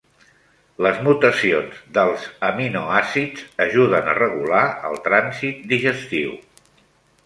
Les mutacions dels aminoàcids ajuden a regular el trànsit digestiu.